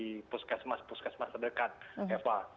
jadi ini adalah puskesmas puskesmas terdekat eva